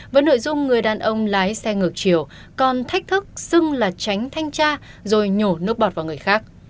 với nội dung người đàn ông lái xe ngược chiều còn thách thức xưng là tránh thanh tra rồi nhổ nước bọt vào người khác